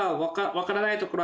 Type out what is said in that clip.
分からないところ。